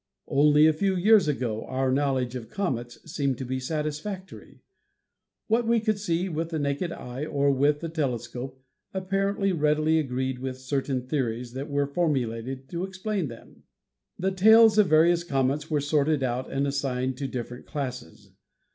Only a few years ago our knowledge of comets seemed to be satisfactory. What we could see with the naked eye or with the telescope apparently readily agreed with certain theories that were formulated to explain them. The tails of various comets were sorted out and assigned to different classes.